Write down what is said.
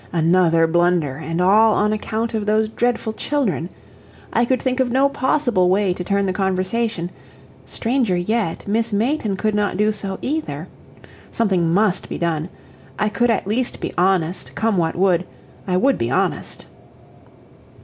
Another blunder, and all on account of those dreadful children. I could think of no possible way to turn the conversation; stranger yet, Miss Mayton could not do so either. Something MUST be done I could at least be honest, come what would I would be honest.